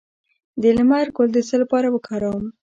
د لمر ګل د څه لپاره وکاروم؟